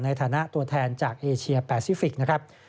ในฐานะตัวแทนจากเอเชียแปซิฟิกส์นะครับ